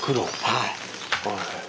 はい。